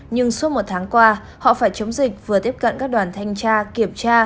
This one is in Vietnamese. nhưng suốt một tháng qua họ phải chống dịch vừa tiếp cận các đoàn thanh tra kiểm tra